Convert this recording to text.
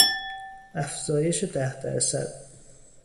افزایش ده درصد